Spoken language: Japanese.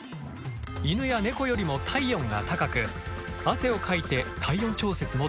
犬や猫よりも体温が高く汗をかいて体温調節もできない。